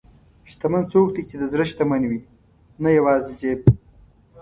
شتمن څوک دی چې د زړه شتمن وي، نه یوازې جیب.